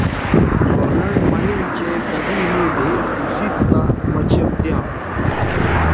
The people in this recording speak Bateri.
سور لنڈ مہ نِن چہء کدی می ڈِھیر پوزید تی مہ چیغ دیا